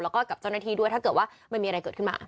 แล้วก็กับเจ้าหน้าที่ด้วยถ้าเกิดว่ามันมีอะไรเกิดขึ้นมา